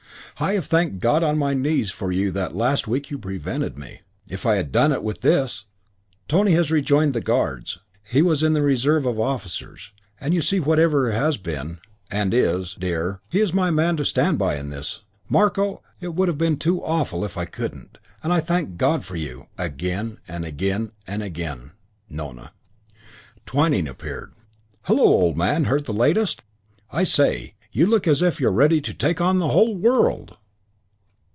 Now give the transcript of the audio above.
I have thanked God on my knees for you that last week you prevented me. If I had done it with this! Tony has rejoined the Guards, he was in the Reserve of Officers. And you see that whatever has been, and is, dear, he's my man to stand by in this. Marko, it would have been too awful if I couldn't, and I thank God for you, again and again and again. Nona. Twyning appeared. "Hullo, old man, heard the latest? I say, you look as if you're ready to take on the whole world."